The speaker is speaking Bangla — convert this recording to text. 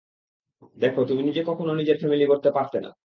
দেখ, তুমি নিজে কখনো নিজের ফ্যামিলি গড়তে পারতে না।